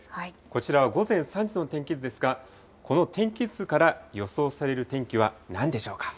こちらは午前３時の天気図ですが、この天気図から予想される天気はなんでしょうか。